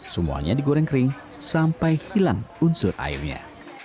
semuanya digoreng kering sampai hilang unsur airnya